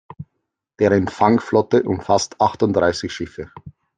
Deren Fangflotte umfasst achtunddreißig Schiffe.